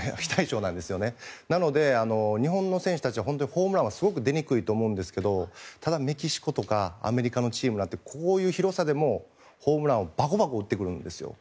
日本の選手たちはホームランがすごく出にくいと思うんですがただ、メキシコとかアメリカのチームはこういう広さでもホームランをバコバコ打ってくるんですよ。